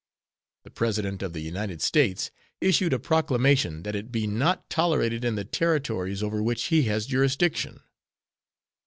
The President of the United States issued a proclamation that it be not tolerated in the territories over which he has jurisdiction.